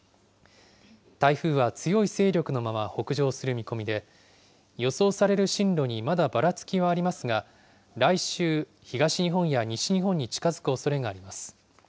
台風は強い勢力のまま北上する見込みで、予想される進路にまだばらつきはありますが、来週、東日本や西日本に近づくおそれがあります。